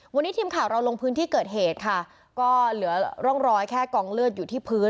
วันนี้ทีมข่าวเราลงพื้นที่เกิดเหตุค่ะก็เหลือร่องรอยแค่กองเลือดอยู่ที่พื้น